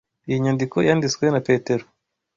Iyi nyandiko yanditswe na Petero.